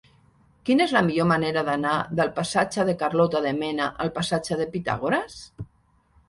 Quina és la millor manera d'anar del passatge de Carlota de Mena al passatge de Pitàgores?